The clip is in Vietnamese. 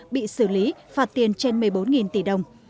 bị xử lý phạt tiền trên một mươi bốn tỷ đồng